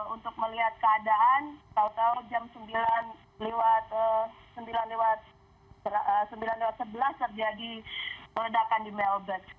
untuk melihat keadaan tau tau jam sembilan lewat sebelas terjadi ledakan di melbourne